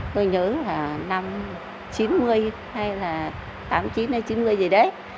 tôi nhớ là năm chín mươi hay là tám mươi chín hay chín mươi gì đấy